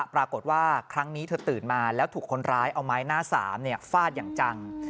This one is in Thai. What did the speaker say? ปรากฏว่าครั้งนี้เธอตื่นมาแล้วถูกคนร้ายเอาไม้หน้าสามฟาดอย่างจัง